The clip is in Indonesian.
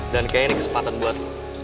dan kayaknya ini kesempatan buat